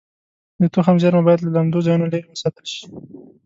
د تخم زېرمه باید له لمدو ځایونو لرې وساتل شي.